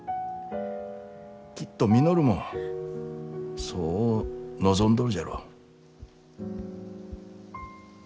きっと稔もそう望んどるじゃろう。